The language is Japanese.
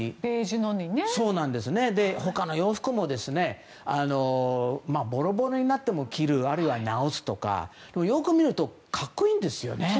他の洋服もボロボロになっても着るあるいは直すとかよく見ると格好いいんですよね。